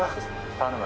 頼む。